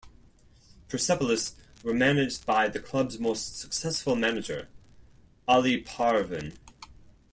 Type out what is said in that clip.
Persepolis were managed by the club's most successful manager Ali Parvin.